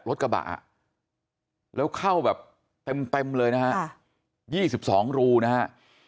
รถกระบะแล้วเข้าแบบเต็มเลยนะฮะ๒๒รูนะฮะ